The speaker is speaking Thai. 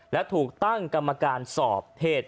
และถูกตั้งกรรมการสอบเหตุ